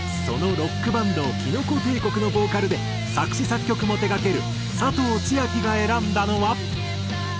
そのロックバンドきのこ帝国のボーカルで作詞作曲も手がける佐藤千亜妃が選んだのは。